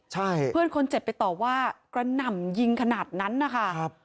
ใช่เพื่อนคนเจ็บไปตอบว่ากระหน่ำยิงขนาดนั้นนะคะ